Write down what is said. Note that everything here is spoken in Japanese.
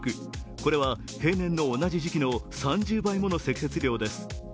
これは平年の同じ時期の３０倍もの積雪量です。